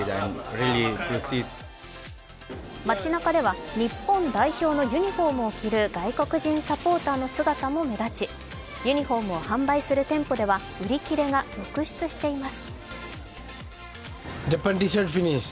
街中では日本代表のユニフォームを着る外国人サポーターの姿も目立ち、ユニフォームを販売する店舗では売り切れが続出しています。